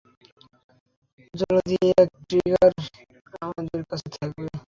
জলদি এক ট্রিগার আমাদের কাছে থাকবে।